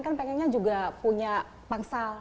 kan pengennya juga punya pangsal